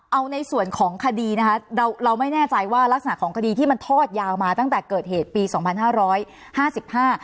เอาในส่วนของคดีนะคะเราเราไม่แน่ใจว่ารักษณะของคดีที่มันทอดยาวมาตั้งแต่เกิดเหตุปีสองพันห้าร้อยห้าสิบห้า